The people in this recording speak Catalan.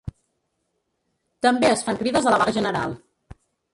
També es fan crides a la vaga general.